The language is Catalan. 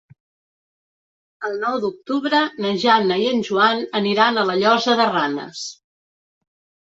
El nou d'octubre na Jana i en Joan aniran a la Llosa de Ranes.